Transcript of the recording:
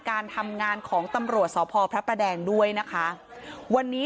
การทำงานของตำรวจสพพระประแดงด้วยนะคะวันนี้